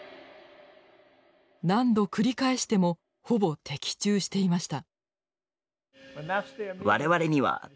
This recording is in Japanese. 何度繰り返してもほぼ的中していました。